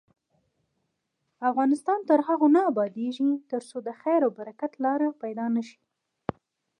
افغانستان تر هغو نه ابادیږي، ترڅو د خیر او برکت لاره پیدا نشي.